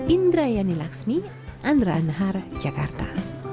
indra yani laxmi andra anahar jakarta